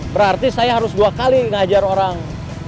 berarti saya harus dua kali ngajar orang